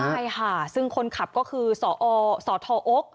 ใช่ค่ะซึ่งคนขับก็คือสอสทอก